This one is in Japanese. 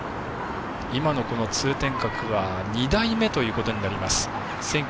今の通天閣は２代目ということになります。